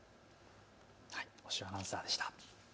押尾アナウンサーでした。